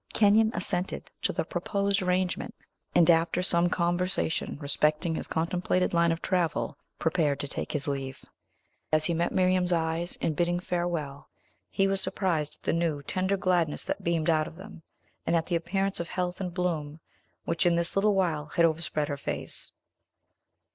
Kenyon assented to the proposed arrangement, and, after some conversation respecting his contemplated line of travel, prepared to take his leave. As he met Miriam's eyes, in bidding farewell, he was surprised at the new, tender gladness that beamed out of them, and at the appearance of health and bloom, which, in this little while, had overspread her face.